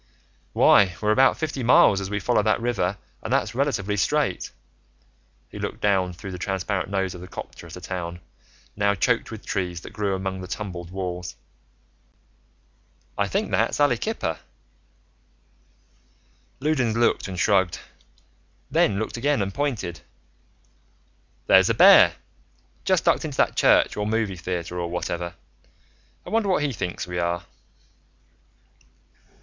"Why, we're about fifty miles, as we follow that river, and that's relatively straight." He looked down through the transparent nose of the copter at a town, now choked with trees that grew among the tumbled walls. "I think that's Aliquippa." Loudons looked and shrugged, then looked again and pointed. "There's a bear. Just ducked into that church or movie theater or whatever. I wonder what he thinks we are."